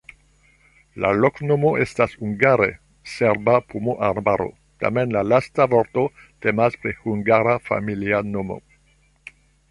La loknomo estas hungare: serba-pomoarbaro, tamen la lasta vorto temas pri hungara familia nomo.